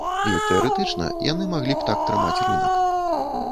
І, тэарэтычна, яны маглі б так трымаць рынак.